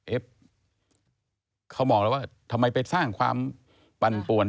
เขาบอกเขามองแล้วว่าทำไมไปสร้างความปั่นปวน